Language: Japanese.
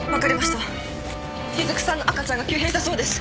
しずくさんの赤ちゃんが急変したそうです。